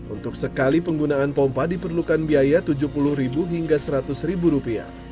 untuk sekali penggunaan pompa diperlukan biaya rp tujuh puluh hingga rp seratus